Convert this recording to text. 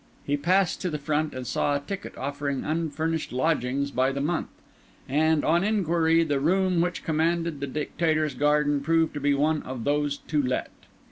He passed to the front and saw a ticket offering unfurnished lodgings by the month; and, on inquiry, the room which commanded the Dictator's garden proved to be one of those to let.